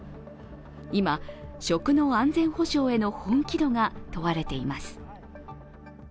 今、食の安全保障への本気度が問われています。